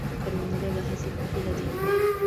کروندګر د حاصل په هیله دی